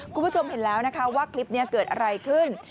คุณผู้ชมเห็นแล้วนะคะว่าคลิปนี้เกิดอะไรขึ้น